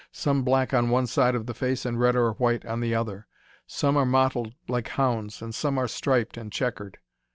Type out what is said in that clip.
Some black on one side of the face, and red or white on the other. Some are mottled like hounds, and some striped and chequered.